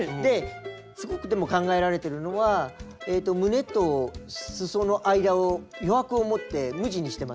すごくでも考えられてるのは胸とすその間を余白をもって無地にしてますよね。